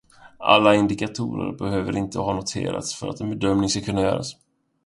Alla indikatorer behöver inte ha noterats för att en bedömning ska kunna göras.